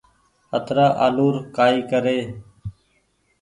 اترآ آلو ر ڪآئي ڪري ۔